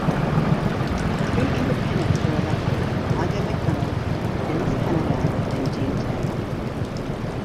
Three independents were elected: Margo MacDonald, Dennis Canavan and Jean Turner.